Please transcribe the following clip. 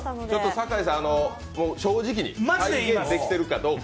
酒井さん、正直にできてるかどうか。